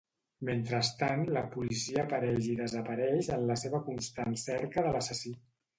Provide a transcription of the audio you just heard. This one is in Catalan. Mentrestant la policia apareix i desapareix en la seva constant cerca de l'assassí.